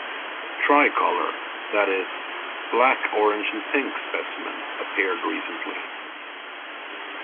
Tri-colour, that is, black, orange and pink specimens appeared recently.